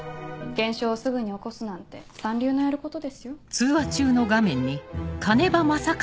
現象をすぐに起こすなんて三流のやることですよ？